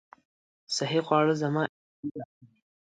صحي خواړه زما انرژي زیاتوي.